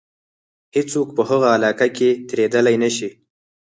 هیڅوک په هغه علاقه کې تېرېدلای نه شي.